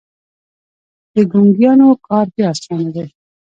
د ګونګيانو کار بيا اسانه دی.